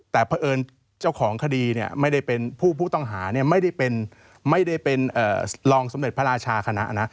แต่เพราะเอิญเจ้าของคดีเนี่ยไม่ได้เป็นผู้ต้องหาไม่ได้เป็นรองสมเด็จพระราชาคณะนะ